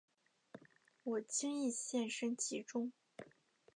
我轻易陷身其中